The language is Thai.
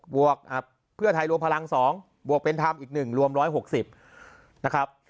วกเพื่อไทยรวมพลัง๒บวกเป็นธรรมอีก๑รวม๑๖๐นะครับ